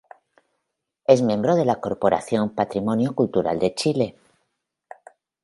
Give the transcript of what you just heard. Es miembro de La Corporación Patrimonio Cultural de Chile.